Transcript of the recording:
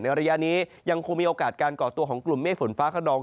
ระยะนี้ยังคงมีโอกาสการก่อตัวของกลุ่มเมฆฝนฟ้าขนอง